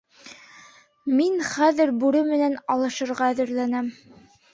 Мин хәҙер бүре менән алышырға әҙерләнәм.